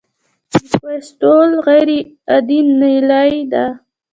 د فیستول غیر عادي نلۍ ده.